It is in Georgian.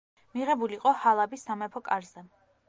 მიღებული იყო ჰალაბის სამეფო კარზე.